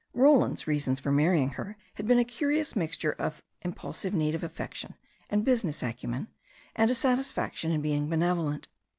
Roland's reasons for marrying her had been a curious mix ture of impulsive need of affection, and business acumen, and a satisfaction in being benevolent.